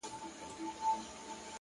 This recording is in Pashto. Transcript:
مثبت انسان ناامیدي کمزورې کوي.!